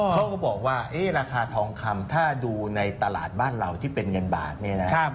เขาก็บอกว่าราคาทองคำถ้าดูในตลาดบ้านเราที่เป็นเงินบาทเนี่ยนะ